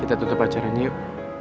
kita tutup acaranya yuk